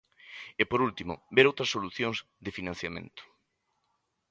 E, por último, ver outras solucións de financiamento.